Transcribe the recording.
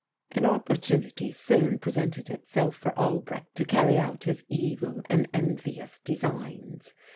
"An opportunity soon presented itself for Albrecht to carry out his evil and envious designs.